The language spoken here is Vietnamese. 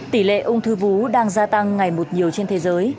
tỷ lệ ung thư vú đang gia tăng ngày một nhiều trên thế giới